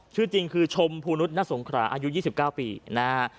ชื่อจริงคือชมภูนุษย์น่าสงคราอายุยี่สิบเก้าปีนะฮะ